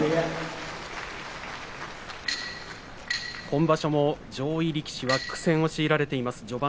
今場所、上位力士苦戦を強いられています。